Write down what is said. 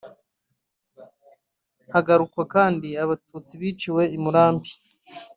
Hagarukwa kandi abatutsi biciwe i Murambi